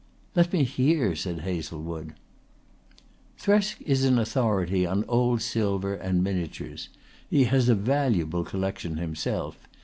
"Let me hear!" said Hazlewood. "Thresk is an authority on old silver and miniatures. He has a valuable collection himself.